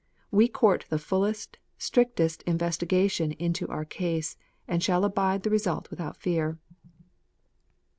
We court the fullest, strictest investiga tion into our case, and shall abide the result without fear.